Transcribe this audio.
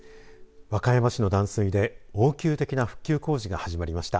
和歌山市の断水で応急的な復旧工事が始まりました。